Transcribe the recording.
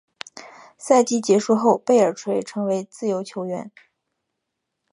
赛季结束后贝尔垂成为自由球员。